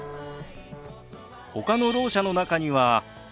ほかのろう者の中には。